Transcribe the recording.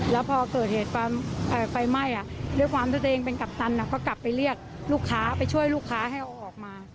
แล้วพอเกิดเหตุความไฟไหม้ด้วยความที่ตัวเองเป็นกัปตันก็กลับไปเรียกลูกค้าไปช่วยลูกค้าให้เอาออกมา